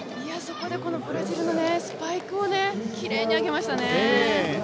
ここでブラジルのスパイクを、きれいに上げましたね。